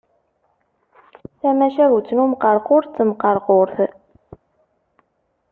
Tamacahut n umqerqur d temqerqurt.